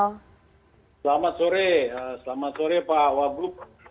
selamat sore selamat sore pak wagub